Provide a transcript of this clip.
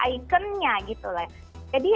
ikonnya gitu lah jadi